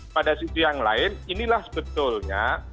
pada sisi yang lain inilah sebetulnya